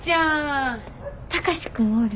貴司君おる？